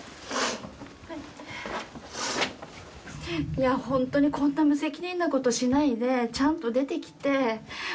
いや本当にこんな無責任なことをしないでちゃんと出てきて。